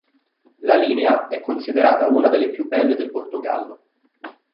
La linea è considerata una delle più belle del Portogallo.